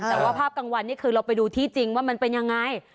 แต่ว่าภาพกลางวันนี่คือเราไปดูที่จริงว่ามันเป็นยังไง